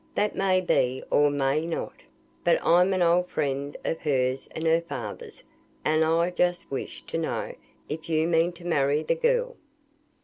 That may be, or may not. But I'm an old friend of hers, and her father's; and I just wished to know if you mean to marry the girl.